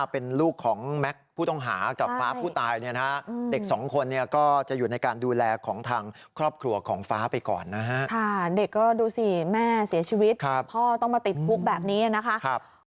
ไปสดใจชีวิตอีกครั้ง